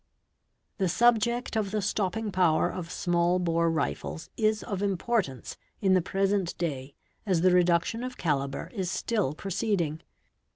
'The subject of the stopping power of small bore rifles is of import ance in the present day as the reduction of calibre is still proceeding.